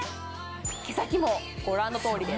毛先もご覧のとおりです